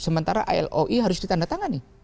sementara loi harus ditandatangani